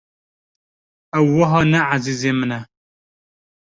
Ew wiha ne ezîzê min e.